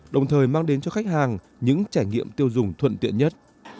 đồng thời mang đến cho khách hàng những trải nghiệm tiêu dùng thuận tiện nhất